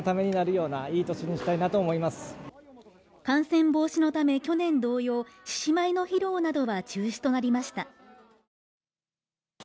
感染防止のため去年同様、獅子舞の披露などは中止となりました。